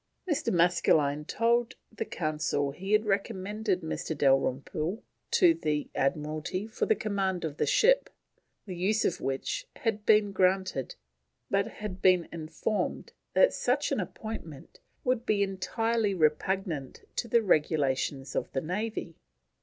Mr. Maskelyne told the Council he had recommended Mr. Dalrymple to the Admiralty for the command of the ship, the use of which had been granted, but had been informed that such an appointment would be "entirely repugnant to the regulations of the Navy."